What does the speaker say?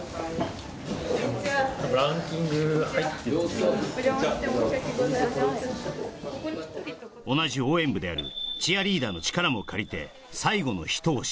こんにちは同じ応援部であるチアリーダーの力も借りて最後の一押し